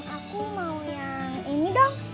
aku mau yang ini dong